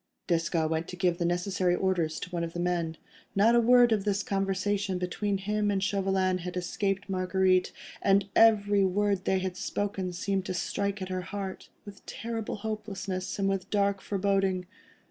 Desgas went to give the necessary orders to one of the men. Not a word of this conversation between him and Chauvelin had escaped Marguerite, and every word they had spoken seemed to strike at her heart, with terrible hopelessness and dark foreboding.